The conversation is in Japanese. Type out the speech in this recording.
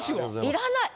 要らない。